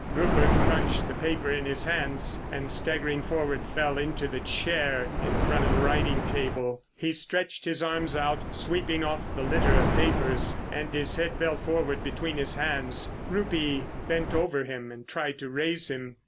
Rupert crunched the paper in his hands, and staggering forward fell into the chair in front of the writing table. He stretched his arms out, sweeping off the litter of papers, and his head fell forward between his hands. Ruby bent over him and tried to raise him.